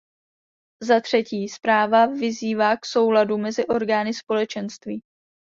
Za třetí, zpráva vyzývá k souladu mezi orgány Společenství.